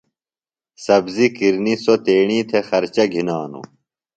سبزیۡ کِرنیۡ سوۡ تیݨی تھےۡ خرچہ گِھنانوۡ۔